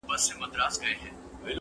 طبیعت د انسانانو نه بدلیږي!!!!!